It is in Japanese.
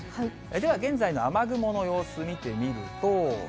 では、現在の雨雲の様子見てみると。